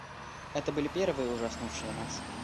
Это были первые, ужаснувшие нас.